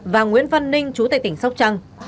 và nguyễn văn ninh chú tại tỉnh sóc trăng